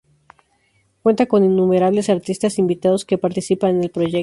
Cuenta con innumerables artistas invitados que participan en el proyecto.